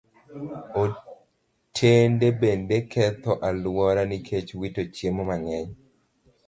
Otende bende ketho alwora nikech wito chiemo mang'eny.